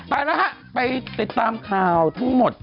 ไปแล้วค่ะไปติดตามข่าวทุกทุกทุกหมด